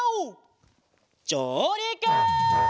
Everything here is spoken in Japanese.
じょうりく！